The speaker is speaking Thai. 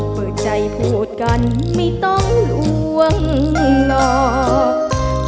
เปิดใจพูดกันไม่ต้องลวงหลอก